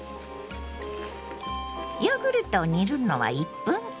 ヨーグルトを煮るのは１分間。